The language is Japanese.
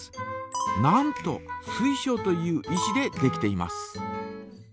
なんと水晶という石でできています。